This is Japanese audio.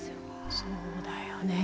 そうだよね。